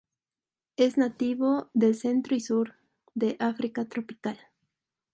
Es nativo del centro y sur de África tropical.